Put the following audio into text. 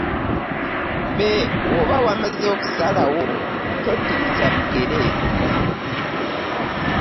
Beoba wamaze okusalawo, toddirizza bigere .